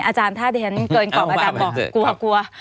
อาจารย์ถ้าเดินเกินกรอบอาจารย์บอกกลัว